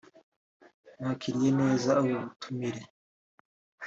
"Nakiriye neza ubu butumire